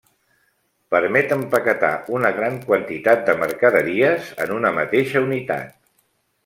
Permet empaquetar una gran quantitat de mercaderies en una mateixa unitat.